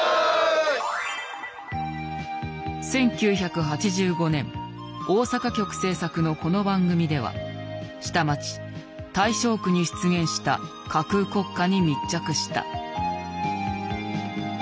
１９８５年大阪局制作のこの番組では下町・大正区に出現した架空国家に密着した。